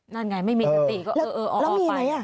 นั่นไงไม่มีสติก็เออออกไป